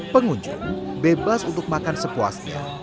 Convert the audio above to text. pengunjung bebas untuk makan sepuasnya